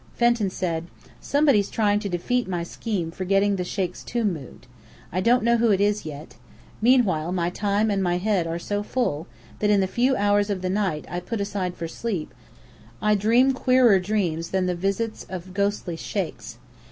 Fenton said: Somebody's trying to defeat my scheme for getting the sheikh's tomb moved. I don't know who it is yet. Meanwhile my time and my head are so full, that in the few hours of the night I put aside for sleep, I dream queerer dreams than the visits of ghostly sheikhs.